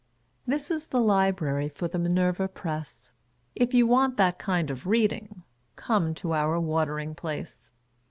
This is the library for the Minerva Press. If you want that kind of reading, come to our Watering Place.